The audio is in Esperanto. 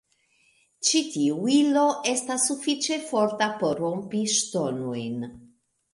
Ĉi tiu ilo estas sufiĉe forta por rompi ŝtonojn.